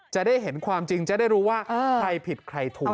จะได้เห็นความจริงจะได้รู้ว่าใครผิดใครถูก